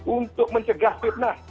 untuk mencegah fitnah